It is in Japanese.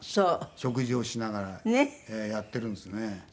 食事をしながらやっているんですね。